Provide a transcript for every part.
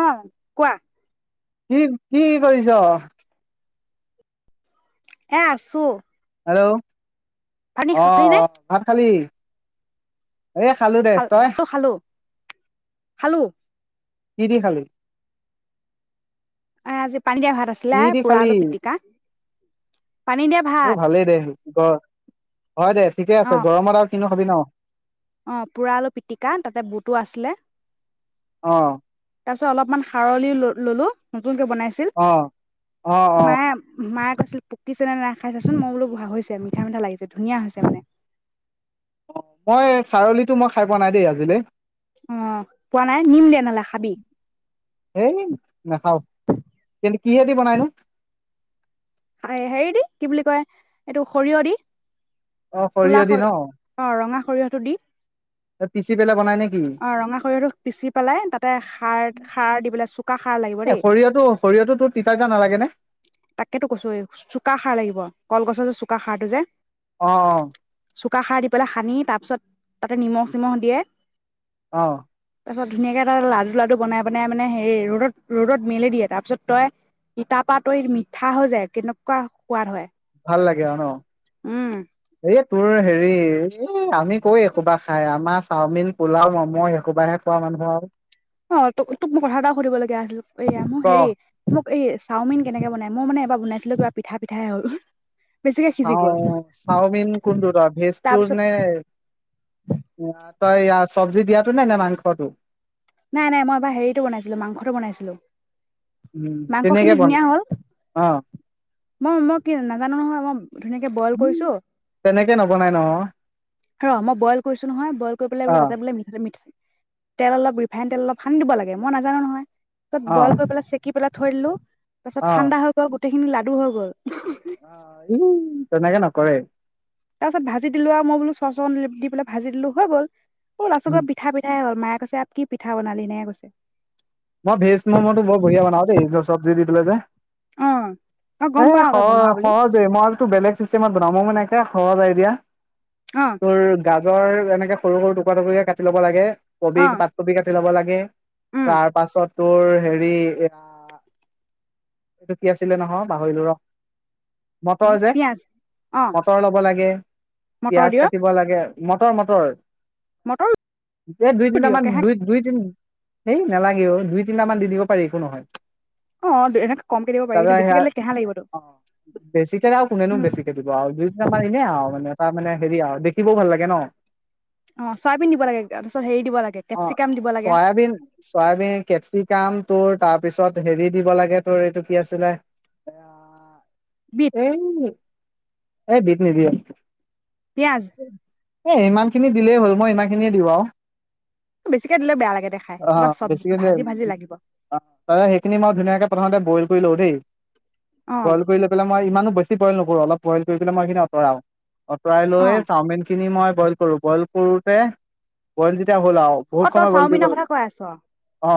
অ কোৱা কি কি কৰিছ? এ আছোঁ। হেল্ল' অ নে অ ভাত খালি? এ খালো দে। খাল তই? খালো খালো কি দি খালি? এ আজি পানী দিয়া ভাত আছিলে কি দি পুৰা খালি? আলু পিটিকা পানী দিয়া অ ভাত ভালেই দে ক হয় দে ঠিকে অ আছে গৰমত আৰু কিনো খাবি ন। অ পুৰা আলু পিটিকা তাতে বুটো আছিলে। অ তাৰ পিছত অলপমান সাৰলি ললো। নতুনকে বনাইছিল অ অ অ মায়ে মায়ে ছিল পকিছে নে নাই খাইছাচোন, মই বোলো হৈছে মিঠা মিঠা লাগিছে ধুনীয়া হৈছে মানে অ মই চাৰলিটো মই খাই পোৱা নাই দেই আজিলে আহ পোৱা নাই নিম দে নাহলে খাবি কিহে দি বনাইনো হেৰি দি কি বুলি কয় এইটো সৰিয়হ দি অ ক'লা সৰিযহ দি ন সৰিয়হ অ ৰঙা সৰিয়হটো দি পিচি পেলাই বনাই নে কি অ ৰঙা সৰিয়হটো পিচি পেলাই তাতে সাৰ খাৰ দি পেলাই চোকা খাৰ লাগিব এ দেই। সৰিয়হটো সৰিয়হটো তোৰ তিতাকেইটা নালাগে নে চোকা খাৰ লাগিব কলগছৰ যে চোকা খাৰটো যে অ অ চুকা খাৰ দি পেলাই সানি তাৰপিছত তাতে নিমখ চিমখ দিয়ে অ তাৰ পিছত ধুনীয়াকে এটা লাডু লাডু বনাই বনাই মানে হেৰি ৰ'দত ৰ'দত মেলি দিয়ে তাৰ পিছত তই ইতাপাত তই মি ঠা হৈ যায় কেনেকুৱা সোৱাদ হয় ভাল লাগে আৰু ন উম এই তোৰ হেৰি আমি কৈ একোবা খাই আমাৰ চাওমিন, পোলাও, ম'ম' সেহোপাহে খোৱা মানুহ আৰু অ তোক তোক মোক কথা এটা সুধিব লগীয়া আছিল এয়া মোৰ ক হেৰি মোক এই চাওমিন কেনেকে বনাই মই মানে এবাৰ বনাইছিলো কিবা পিঠা পিঠাহে হল বেছিকে সিজি গ'ল চাওমিন কোনটো ভেজটো তাৰপিছত নে তই চব্জি দিয়াতটো নাই নে মাংসটো নাই নাই মই এবাৰ হেৰিতটো বনাইছিলো মাংসটো বনাইছিলো। উম তেনেকে মাংসখিনি বন ধুনীয়া হ'ল অ মই মই কি নাজানো নহয় মই ধুনীয়াকে বইল উম, কৰিছো তেনেকে নবনাই নহয় ৰ মই বইল কৰিছো নহয় বইল কৰি অ পেলাইোলে তা বো মঠাতে মঠাই তেল অলপ ৰিপ ভেন তেল অলপ সানি দিব লাগে মই নাজানো নহয়। তত অ বইল কৰি পেলাই চেক কি পেলাই থৈ দিলো তাপাছত ঠাণ্ডা হৈ গ'ল গোটেইখিনি লাডু হৈ গল উমম তেনেকে ন কৰে তাৰপিছত ভাজি দিলো আৰু মই বোলো চ চৰ দি পেলাই ভাজি দিলোঁ হৈ গ'ল উম লাচতত‌গৈ পিঠা পিঠাই হ'ল মায়ে এয়া কি পিঠা বনালি এনেকে কৈছে। মই ভেজ ম'ম'টো বৰ বঢ়িয়া বনাও দেই চবজি দি পেলাই যে অ অ গম এ পাও তই সহ বনোৱা বুলি সহজেই মই বেলেগ চিষ্টেমত বনাব মানে সহজ আইদিয়াত অ তোৰ গা গাজৰ এনেকে সৰু সৰুকে টুকুৰা টুকুৰ কাটি ল'ব লাগে কবি অ পাত কবি কাাটি ল'ব লাগে কে উম ত তোৰ হেৰি এয়া এইটো কি আছিলে নহয় পাহৰিলো ৰ মটৰ যে পিয়াজ অ মটৰ ল'ব লাগে মটৰ পিয়াজ দিয় কাটিব লাগে মটৰ মটৰ মটৰ এ দুই তিনা দিয় মান কেহা দুই দুই তিন সেই নালাগে দুই তিনিটা মান দি দিব পাৰি একো নহয় অ', এনেকে কমকে দিব পাৰি তাৰপ কিন্তু স বেছিকে দিলে কেহা লাগিবতো। অ বেছিকে কোনেনো বেছিকে দিব আৰু দুই আমাৰ এনে আৰু মানে তাৰ মানে হেৰিয়া আৰও দেখিবও ভাল লাগে ন অ চয়াবিন দিব লাগে তাৰপিছত হেৰি দিব লাগে কেপচিকাম দিব লাগে আমি কেপচিকাম তোৰ তাৰপিছত হেৰি দিব লাগে তোৰ এইটো কি আছিলে বিট, এইই এই বিত নদিয়ে পিয়াজ এ ইমান খিনি দিলেই হ'ল মই ইমান খিনিয়ে দিওঁ আৰু বেছিকে দিলে বেয়া লাগে দেখাই বচ বেছিক সেইখিনি মই ধুনীয়াকে প্ৰথতে বইল শুই লও দেই অ', বইল কৰি লৈ পেলাই মই ইমানো বেছি বইল নকৰো অলপ বইল কৰি পেলাই মইখিনি আতৰাও অঁতৰাই লৈ অ', চাওমিন খিনি মই বই কৰো বল কৰোতে বইল যে য়া হ'লা বহুত সময় বইল কৰিব ক অ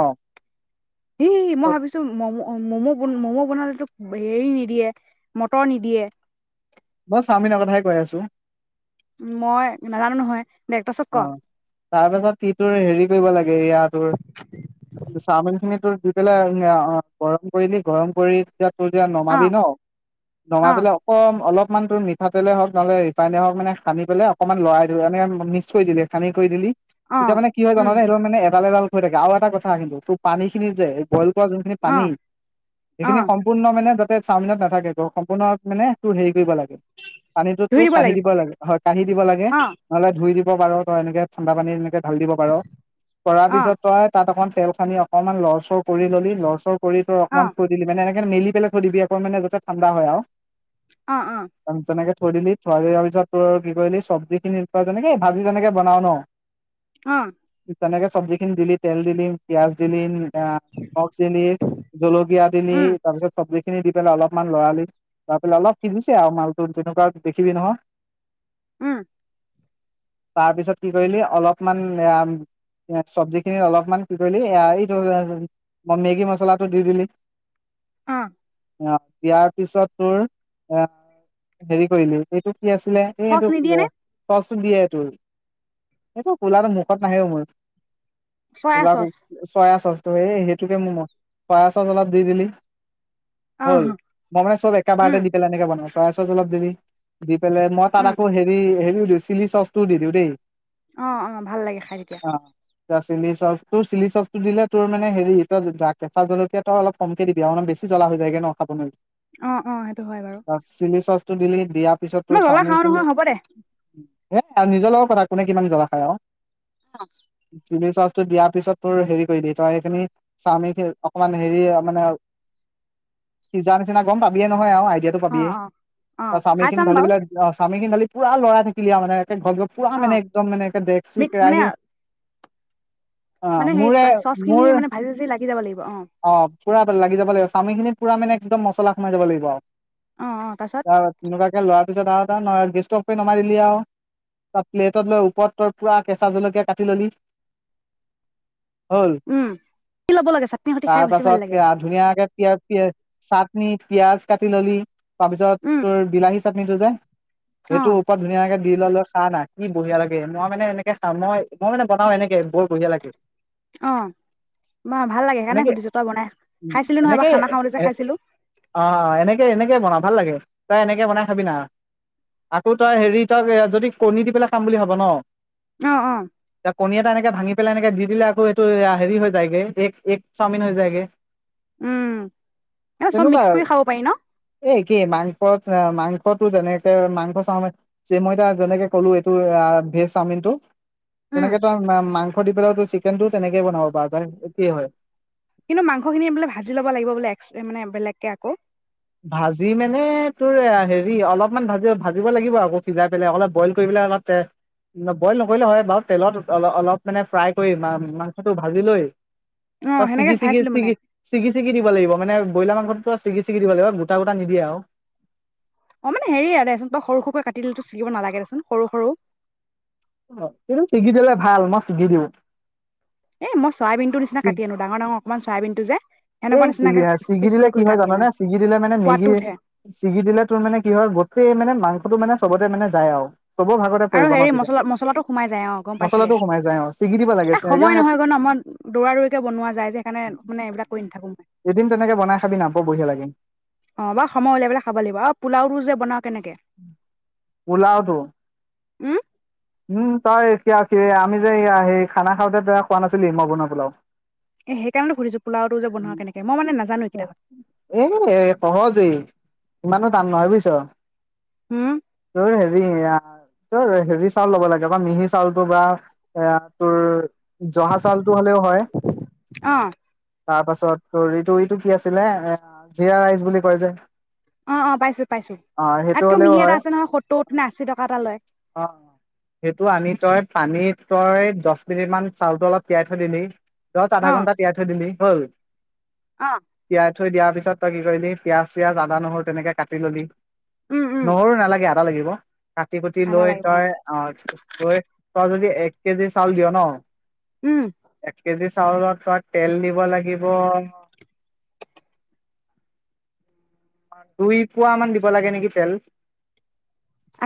সেই মই ভাবিছো মম' মম'ন ম'ম' বনালেতো হেৰি নিদিয়ে মটৰ নিদিয়ে মই চাওমিনৰ কথাই কৈ আছো উ মই নাজানো নহয় দে তাৰপিছত ক অ তাৰপিছত সি তোৰ হেৰি কৰিব লাগে ইয়া তোৰ চাওমিন খিনি তোৰ দি পেলাই গৰম কৰিলি গৰম কৰি তাত যেতিয়া নমাবি অ', ন অ', নমাবেললে অকম অলপ অকমান মঠাতেলে হওক নহলে ৰিফাইনে হও মে সানি পেললে অকণমান লৰাই দিওঁ এনে মিস্ক থৈ দিলে সানি কৈ দিলি এতিয়া অ', মানে কি হয় উম, জানানে সেই মানে এডাল এডাল হৈ থাকে আৰু এটা কথা কিন্তু তোৰ পানী সেই খিনি যে বইল কৰা যোনখিনি পানী অ', সেইখিনি অ', সম্পূৰ্ণ মানে অকল চাওমিনত নাথাকে গ সম্পূৰ্ণ মানে তোৰ হেৰি কৰিব লাগে পানীটোতো ধুই কাঢ়ি লাগিব দিব লাগে হয় কাঢ়ি দিব লাগে অ', নহলে ধুই দিব তই বাৰ এনে ঠাণ্ডা পানী এনেকে ভাল দিব পাৰ কৰাৰ অ', পিছত তই তাত অকণ তেল খানি অকমান ল'ৰচৰ কৰি ললি ল'ৰচৰ শীৰটো অ', অকমান অ', থৈ দিলি, মানে সেইকাৰণে মেলি পেলাই থৈ দিবি আকৌ মানে যতে ঠাণ্ডা হয় আও অ অ থৈ দিলি থোৱা দিয়াৰ পিছত তোৰ কি কৰিলি চব্জি খিনি তেনেকে ভাজি তেনেকে বনাও ন আহ তেনেকে চব্জি খিনি দিলি তেল দিলি পিয়াজ দিলি অ [unintelligible] [unintelligible] দিলি জলকীয়া দিলি উম, তাৰপিছত খিনি দি পেলাই অলপমান লৰালি লৰা পেলাই অলপ সিজিছে আৰু মালটো যেনেকুৱা দেখিবি নহয়। উম তাৰপিছত কি কৰিলি অলপমান এ চব্জিখিনি অলপমান কি কৰিলি এইটো মেগী মছলাটো দি দিলি অৱ অ দিয়াৰ পিছত তোৰৰ এ হেৰি কৰিলি এইটো আছিলে এই চচ এইটো নিদিয়ে নে? দিয়ে তোৰ এইটো কোলাটো মুখত নাহেও মোৰ চয়া কলা চচ কুকু চয়া চ ত এই সেইটোকে মম পায় চাচ অলপ দি দিলি অহ হ'ল মই মানে সব এককা বাৰ উম দি পালে এনেকে বনাই চয়া চছ জলপ দিবি পলে মই তাত উম আকৌ হেৰি হেৰি চিলি চচটোও দি দিওঁ দেই অ অ ভাল লাগে খাই তেতিয়া এ চিলি চচ তোৰ চিলি চচ টো দিলে তোৰ মানে হেৰি এইটো কেঁচা দ্ভলকীয়াাতটো অলপ কমকে দিবি আৰু অলপ বেছি জ্বলা যায়গে ন খাবলৈ অ অ সেইটো হয় বাৰু চচটো দিলি দিয়া তাৰ পিছত তোৰ মই জ্বলা খাওঁ স্বামখিনি নহয় হ'ব দে ধেৎত নিজৰ লগত কথা কোনে কিমান জ্বলা খায় আও [inaudible] ৰ চ'চটো দিয়াৰ পিছত তোৰ হেৰি কৰিবি। তই সেইখিনি চাওমিনখিনি অকমান হেৰি মানে, সিজা নিচিনা গম পাবিয়ে নহয় আৰু য়েতো অ অ পালিয়ে অ । অ' আৰু খাই চাওমিনখিনি চাম ঢালি বাৰু পেলাই [unintelligible] মিনখিনি ঢালি পুৰা লৰাই থাকিলি আৰু মানে ঘৰত গৈ পুৰা অ মানে একদম মানে এক্কে দেকচি মিক মানে কেৰাহি মানে সেই চয়া চচখিনি মোৰ মানে ভাজি-ভাজি লাগি যাব লাগিব অ'। পুৰা তাত লাগি যাব লাগিব । চাওমিনখিনিত পুৰা মানে একদম মছলা সোমাই যাব লাগিব আৰু। অ অ তাৰপিছত অ' তেনেকুৱাকে লৰা পিছত আৰু এটা ন- গেষ্টটো অফ কৰি নমাই দিলি আৰু। তাত প্লেটত লৈ ওপৰত তই পুৰা কেঁচা জলকীয়া কাটি ললি। হ'ল । উম কি ল'ব লাগে চাটনি সৈতে খাই তাৰ বেছি ভাল পাছত লাগে পিয়া- ধুনীয়াকে পিয়া- পিয় চাটনি পিয়াজ কাটি ললি। তাৰপিছত উম তোৰ বিলাহী চাটনিটো যে, অ সেইটো ওপৰত ধুনীয়াকে [unintelligible] খা না। কি বঢ়িয়া লাগে । মই মানে এনেকে খাওঁ। মই- মই মানে বনাও এনেকে । বৰ বঢ়িয়া লাগে। অ'। বা- ভাল লাগে । সেইকাৰণে এনেকে সুধিছোঁ। তই বনাই খাইছিলোঁ নহয়? এনেকে এবাৰ খানা খাওঁতে যে এ খাইছিলোঁ। অ এনেকে এনেকে বনা ভাল লাগে । তই এনেকে বনাই খাবি না। আকৌ তই হেৰি তই যদি কণী দি পেলাই খাম বুলি ভাব ন'? অ অ ইয়াত কণী এটা এনেকে এ ভাঙি পেলাই এনেকে দি দিলে আকৌ এইটো এয়া হেৰি হৈ যায়গে, এ- এগ চাওমিন হৈ যায়গে। উম, এ চব তেনেকুৱা মিক্স কৰি খাব পাৰি ন'? ত মাংসতো যেনেকে, মাংস চাওমিন। যে মই এতিয়া যেনেকে হলো এইটো আ- ভেজ চাওমিনটো। উম তেনেকে তই আৰু মা- মাংস দি পেলাইওতো চিকেনটোও তেনেকে বনাব পাৰ তই । একেয়ে হয়। কিন্তু মাংসখিনি বোলে ভাজি ল'ব লাগিব বোলে এক্স- এ মানে বেলেগকে আকৌ। ভাজি মানে তোৰ হেৰি অলপমান ভাজি- ভাজিব লাগিব আকৌ সিজাই পেলাই । অলপ বইল কৰি পেলাই অলপ তেল- বইল নকৰিলেও হয় বাৰু। তেলত অল- অলপ মানে ফ্ৰাই কৰি মা- মাংসটো ভাজি লৈ অ ত সেনেকে ছিগি - ছিগি চাইছিলো মানে -ছিগি, ছিগি- ছিগি দিব লাগিব মানে ব্ৰইলাৰ মাংসটো তো ছিগি ছিগি দিব লাগিব। গোটা- গোটা নিদিয়ে আৰু। অ' মানে হেৰিয়ে দেচোন, তই সৰু- সৰুকৈ কাটি দিলিতো চিগিব নালাগে দেচোন । সৰু-সৰু। কিন্তু ছিগি দিলে ভাল । মই ছিগি দিওঁ। এই মই চয়াবিনটোৰ নিচিনা কাটি ছিগ- আনো ডাঙৰ ডাঙৰ অকণমান চয়াবিনটো যে সেনেকুৱা এই নিচিনাকে চুলিয়া পিচ ছিগি পিচ দিলে কৰি কি কৰি হয় কাটি আনো জাননে? ছিগি দিলে মানে সোৱাদটো মেগি- উঠে ছিগি দিলে তোৰ মানে কি হয় গোটেই মানে মাং সেইটো মানে চবতে মানে যায় আৰু। চবৰ ভাগতে আৰু পৰিব ন' হেৰি তেতিয়া। মছলা মছলাটো সোমাই যায় । অ' গম পাইছোঁ দে মছলাটো সোমাই যায় অ ছিগি দিব লাগে । এই সময় সেইকাৰণে নহয় জান, মই দৌৰা-দৌৰিকে বনুৱা যায় যে, সেইকাৰণে মই মানে সেইবিলাক কৰি নাথাকো মই। এদিন তেনেকে বনাই খাবি না বৰ বঢ়িয়া লাগে অ' বাৰু সময় উলিয়াই পেলাই খাব লাগিব। আৰু পোলাওটো যে বনা কেনেকে? পুলাওটো উম উম তই এতিয়া কি আমি যে সেই খানা খাওঁতে বেয়া খোৱা নাছিলি মই বনোৱা পোলাও। এ সেইকাৰণে সুধিছো পোলাওটো যে বনোৱা কেনেকে মই মানে নাজানো কেইটা এ সহজেই ইমানো টান নহয় বুজিছ। হুম তোৰ হেৰি ইয়া ত হেৰি চাউল ল'ব লাগে বা মিহি চাউলতটো বা এ তোৰ জহা চাউলতটো হ'লেও হয়। অ তাৰ পাছত তটো এইটো কি আছিলে এ জিৰা ৰাইচ বুলি কয় যে অ অ পাইছো পাইছো অ তাত সেইটো তকৈ হ'লেও মিহি এটা হয় আছে নহয় সত্তৰ নে আশী টকা এটা লয়। অ সেইটো আনি তই পানীত তই দহ মিনিট মান চাউলটো অলপ তিয়াই থৈ দিলি। দহ আধা অ ঘণ্টা তিয়াই থৈ দিলি হয় অ থৈ দিয়াৰ পিছত তই কি কৰিবি পিয়াজ চিয়াজ আদা নহৰু তেনেকে কাটি ললি উম উম নহৰু নালাগে ইয়াত লাগিব কাটি কুতি আদা লৈ লাগিব অ তই পযে তই যদি এক কেজি চাউল দিয় ন উম এক কেজি চাউলত তেল দিব লাগিব দুই পোৱা মান দিব লাগে নেকি তেল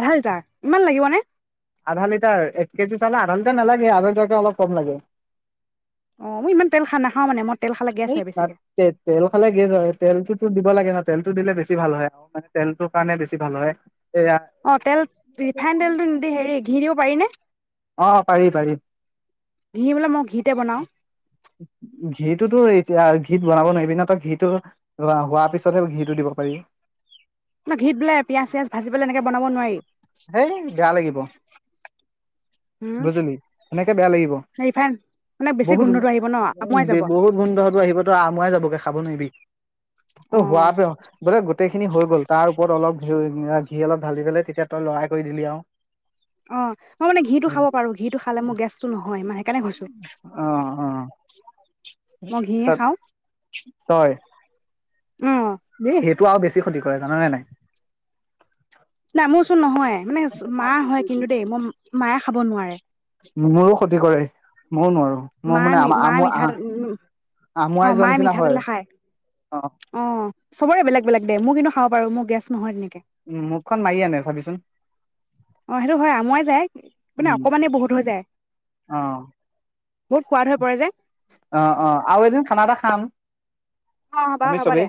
আধা লিটাৰ ইমান লাগিব নে আধা লিটাৰ এক কেজি চাউল আধা লিটাৰ নালাগে আধা লিটাকে অলপ কম লাগে। অ মই ইমান তেল খা নাখাওঁ মানে মই তেল খালে গেছ এই হয় তাত বেছিকে তে তেল খালে গেছ হয় তেলটোতো দিব লাগে তেলটো দিলে বেছি ভাল হয় আৰু মানে তেলটোৰ কাৰণে বেছি ভাল হয় এয়া অ তেল ৰিফাইন তেলটো নিদি হেৰি ঘিৰ দিব পাৰিনে অ পাৰি পাৰি ঘিউ বোলে মই ঘিতে বনাও ঘিটোতো এতিয়া ঘি বনাব নোৱাৰিবিনে তই ঘিটো হোৱাৰ পিছতহে ঘিটো দিব পাৰি। ঘিত বোলে পিয়াঁয়াজ চিয়াজ ভাজি পেলাই এনেকে বনাব নোৱাৰি। হেই বেয়া লাগিব। উম বুজিলি সেনেকে বেয়া লাগিব ৰিফাইন মানে বেছি বহুত গোন্ধটো আহিব ন আমুৱাই যাব বহুত গোন্ধতো টো আহিব তো আমৰাই যাবগে খাব নোৱাৰিবি অ তই সোৱাদ বোলে গোটেই খিনি হৈ গ'ল তাৰ ওপৰত অলপ ঘিউ ঘিৰ অলপ ঢালি পেলাই তেতিয়া তই লৰাই কৰি দিলি আৰু অ মই মানে ঘিটো খাব পাৰো ঘিটো খালে মোৰ গেছটো নহয় মই সেইকাৰণে সুধিছো অ অ ত তয়ই অ বেপ তোৰ আৰু বেছি ক্ষতি কৰে জান নে নাই নাই মোৰচোন নহয় মানে মা হয় কিন্তু দেই মই মায়ে খাব নোৱাৰে। মোৰো ক্ষতি কৰে ময়ো নোৱাৰো মোৰ মায়ে মানে মি মিঠাতেল অ আমুৱাই যোৱা মায়ে নিচিনা মিঠাতেল হয় নেখায় অ চবৰে বেলেগ বেলেগ দে মোৰ কিন্তু খাব পাৰো গেছ নহয় তেনে উম মুখখন মাৰি আনে চাবিচোন অ সেইটো হয় আমৰাই যায় মানে উম অকমানেই বহুত হৈ যায় অ বহুত সোৱাদ হৈ পৰে যে অ', অ', আৰু এদিন খানা এটা খাম অ বা আমি হ'ব চবেই। দে